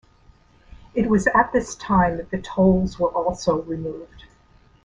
It was at this time that the tolls were also removed.